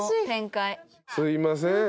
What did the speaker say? すいません。